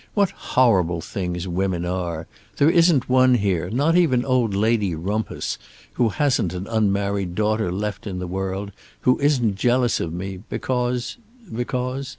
What horrible things women are! There isn't one here, not even old Lady Rumpus, who hasn't an unmarried daughter left in the world, who isn't jealous of me, because because